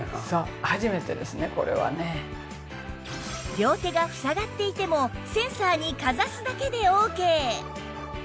両手が塞がっていてもセンサーにかざすだけでオーケー